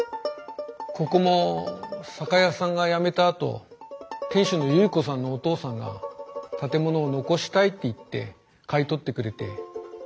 ここも酒屋さんがやめたあと店主の百合子さんのお父さんが建物を残したいって言って買い取ってくれて。